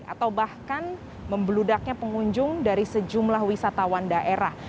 atau bahkan membeludaknya pengunjung dari sejumlah wisatawan daerah